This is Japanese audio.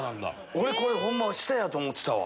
俺ホンマ下やと思ってたわ。